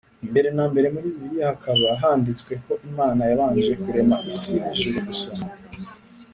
Mbere nambere muri bibiliya hakaba handitswe ko Imana yabanje kurema isi n’ijuru gusa.